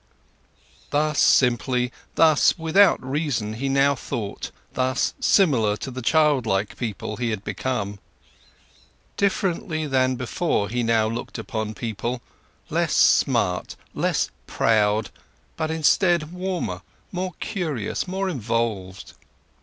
Thus simply, thus without reason he now thought, thus similar to the childlike people he had become. Differently than before, he now looked upon people, less smart, less proud, but instead warmer, more curious, more involved.